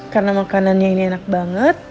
karena makanannya ini enak banget